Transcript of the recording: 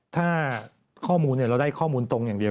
ถ้าข้อมูลเราได้ข้อมูลตรงอย่างเดียว